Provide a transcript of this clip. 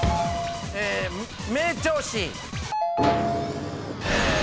名調子。